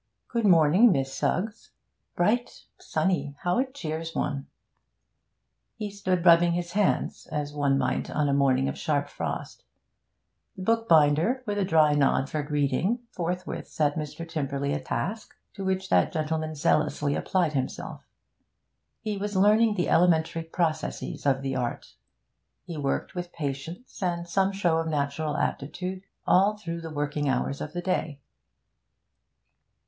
'Good morning, Miss Suggs. Bright! Sunny! How it cheers one!' He stood rubbing his hands, as one might on a morning of sharp frost. The bookbinder, with a dry nod for greeting, forthwith set Mr. Tymperley a task, to which that gentleman zealously applied himself. He was learning the elementary processes of the art. He worked with patience, and some show of natural aptitude, all through the working hours of the day.